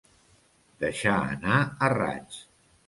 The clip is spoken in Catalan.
Deixar anar a raig.